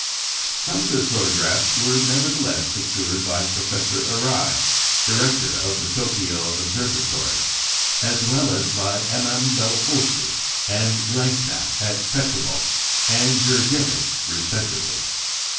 Some good photographs were, nevertheless, secured by Professor Arai, Director of the Tokio Observatory, as well as by MM. Bélopolsky and Glasenapp at Petrovsk and Jurjevitch respectively.